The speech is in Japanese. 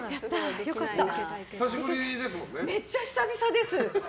めっちゃ久々です。